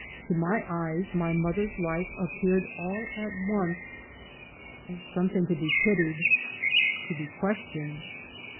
|To my eyes my mother's life appeared all at once as something to be pitied — to be questioned.